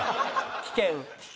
危険？